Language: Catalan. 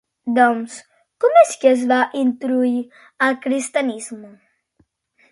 Doncs, com és que es va introduir en el cristianisme?